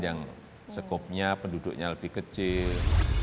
yang skopnya penduduknya lebih kecil